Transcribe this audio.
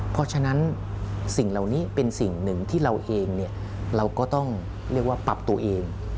เพราะฉะนั้นสิ่งเหล่านี้เป็นสิ่งหนึ่งที่เราเองเราก็ต้องเรียกว่าปรับตัวเอง